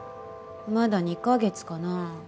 まだ２カ月かな。